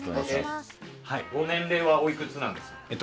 ご年齢はおいくつなんですか？